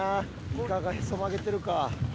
イカがへそ曲げてるか。